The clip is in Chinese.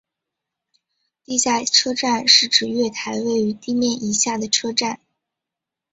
地下车站是指月台位于地面以下的车站。